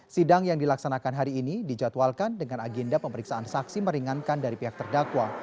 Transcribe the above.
sidang yang dilaksanakan hari ini dijadwalkan dengan agenda pemeriksaan saksi meringankan dari pihak terdakwa